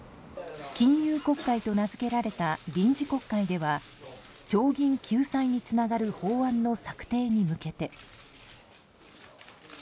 金融国会と名付けられた臨時国会では長銀救済につながる法案の策定に向けて。